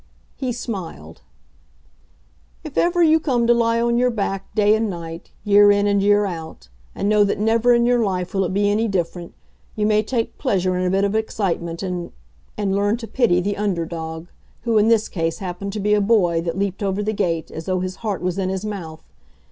He smiled. "If ever you come to lie on your back day and night, year in and year out, and know that never in your life will it be any different, you may take pleasure in a bit of excitement and and learn to pity the under dog, who, in this case, happened to be a boy that leaped over the gate as though his heart was in his mouth.